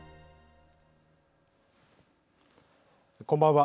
こんばんは。